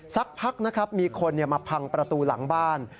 สักพักนะครับมีคนมาพังประตูหลังบ้าน